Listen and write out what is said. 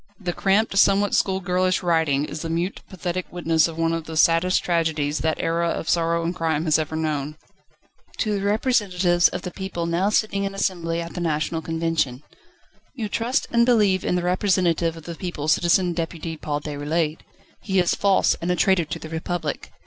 The cramped, somewhat schoolgirlish writing is the mute, pathetic witness of one of the saddest tragedies, that era of sorrow and crime has ever known: /* To the Representatives of the People now sitting in Assembly at the National Convention You trust and believe in the Representative of the people: Citizen Deputy Paul Déroulède. He is false, and a traitor to the Republic.